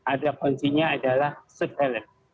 ada kuncinya adalah surveillance